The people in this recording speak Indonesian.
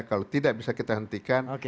kalau tidak bisa kita hentikan